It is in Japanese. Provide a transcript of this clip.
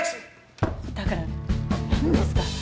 だから何ですか？